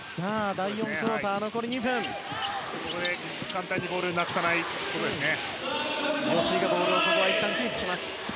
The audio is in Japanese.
ここで簡単にボールをなくさないことですね。